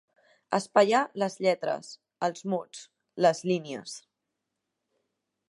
Espaiar les lletres, els mots, les línies.